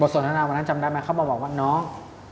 สนทนาวันนั้นจำได้ไหมเขามาบอกว่าน้อง